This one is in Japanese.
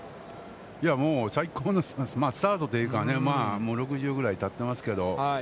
もう最高の、スタートというかね、まあもう６０ぐらいたってますけど。